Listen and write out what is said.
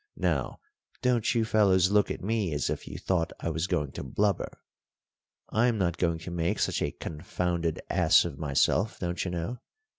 Now, don't you fellows look at me as if you thought I was going to blubber. I'm not going to make such a confounded ass of myself, don't you know.